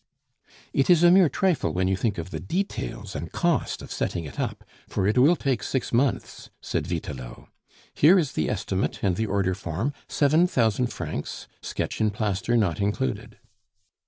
"It is a mere trifle when you think of the details and cost of setting it up; for it will take six months," said Vitelot. "Here is the estimate and the order form seven thousand francs, sketch in plaster not included."